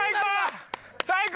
最高！